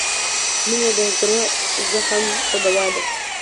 • مینه د زړه زخم ته دوا ده.